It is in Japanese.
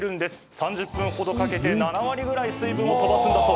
３０分程かけて７割ぐらい水分を飛ばすんだそう。